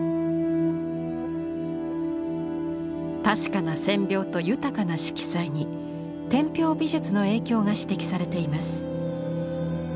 確かな線描と豊かな色彩に天平美術の影響が指摘されています。